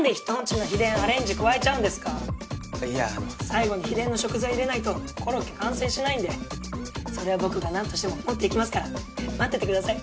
最後に秘伝の食材入れないとコロッケ完成しないんでそれは僕がなんとしても持っていきますから待っててください。